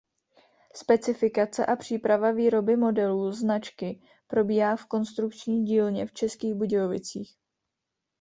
Specifikace a příprava výroby modelů značky probíhá v konstrukční dílně v Českých Budějovicích.